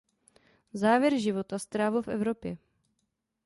Závěr života strávil v Evropě.